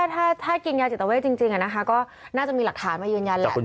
แต่ว่าถ้ากินยาจิตเจาเวชจริงอ่ะนะคะก็น่าจะมีหลักฐานมายืนยันแหละ